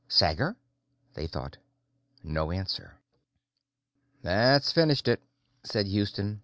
Sager? they thought. No answer. "That's finished it," said Houston.